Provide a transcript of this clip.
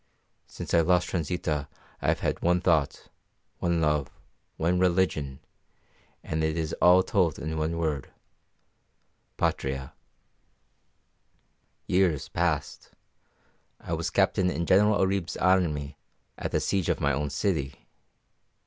Since I lost Transita I have had one thought, one love, one religion, and it is all told in one word Patria. "Years passed. I was captain in General Oribe's army at the siege of my own city.